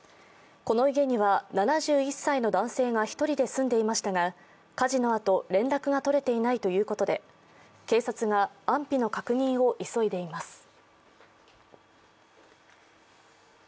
この家には、７１歳の男性が１人で住んでいましたが火事のあと連絡がとれていないということで警察が安否の確認を急いでいます。